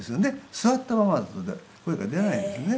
座ったままだと声が出ないんですね。